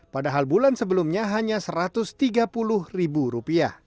padahal bulan sebelumnya hanya rp satu ratus tiga puluh